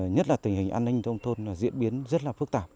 nhất là tình hình an ninh thông thôn diễn biến rất là phức tạp